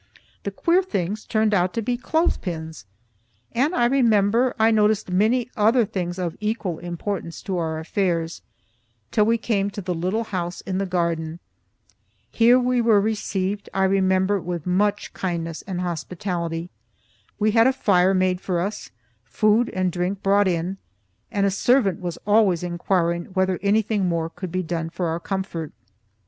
The queer things turned out to be clothes pins). And, I remember, I noticed many other things of equal importance to our affairs, till we came to the little house in the garden. Here we were received, I remember with much kindness and hospitality. We had a fire made for us, food and drink brought in, and a servant was always inquiring whether anything more could be done for our comfort.